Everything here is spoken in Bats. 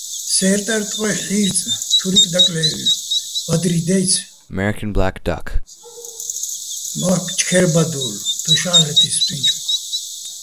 სე́რტარ ტყუჲჰ̦ი̆ ჰ̦ი́რწი̆, თურიკ დაკლე́ვილო̆, ბადრი დაჲცი̆, მო́ჰ̦კ ჩქე́რბადოლო̆, დოშ ა́ლ'ლეთ ის ფსტუჲნჩოგო̆.